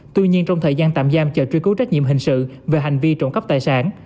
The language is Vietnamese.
tuy nhiên trong thời gian tạm giam chờ truy cứu trách nhiệm hình sự về hành vi trộm cắp tài sản